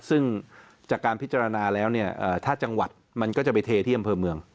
ซึ่งจากการพิจารณาแล้วเนี่ยถ้าจังหวัดมันก็จะไปเทที่อำเภอเมือง